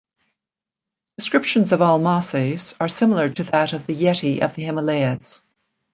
Descriptions of Almases are similar to that of the Yeti of the Himalayas.